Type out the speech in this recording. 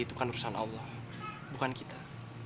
itu kan urusan allah bukan kita